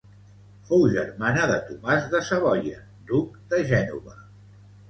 Fou germana de Tomàs de Savoia, duc de Gènova.